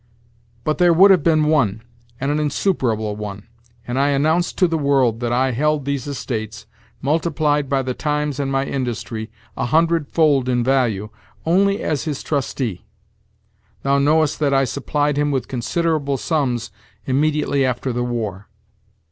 "But there would have been one, and an insuperable one, and I announced to the world that I held these estates, multiplied by the times and my industry, a hundredfold in value, only as his trustee. Thou knowest that I supplied him with considerable sums immediately after the war."